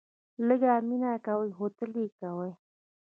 لږ مینه کوئ ، خو تل یې کوئ